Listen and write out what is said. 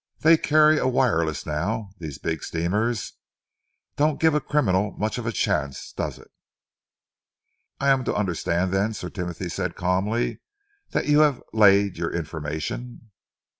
They carry a wireless now, these big steamers. Don't give a criminal much of a chance, does it?" "I am to understand, then," Sir Timothy said calmly, "that you have laid your information?"